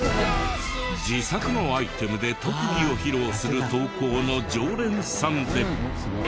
自作のアイテムで特技を披露する投稿の常連さんで。